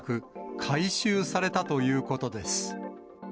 回収されたということです。